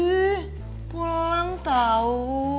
ih pulang tau